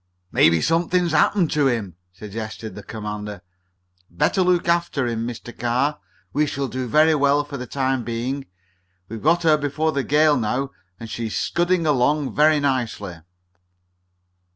"Maybe something has happened to him," suggested the commander. "Better look after him, Mr. Carr. We shall do very well for the time being. We've got her before the gale now, and she's scudding along very nicely."